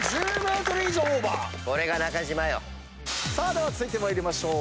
では続いて参りましょう。